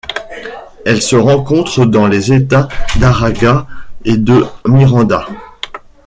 Elle se rencontre dans les États d'Aragua et de Miranda.